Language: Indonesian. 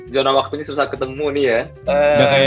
jauh jauh waktunya susah ketemu nih ya